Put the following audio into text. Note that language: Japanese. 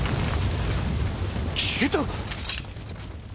消えた！？